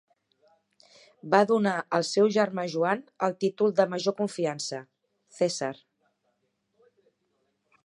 Va donar al seu germà Joan el títol de major confiança: cèsar.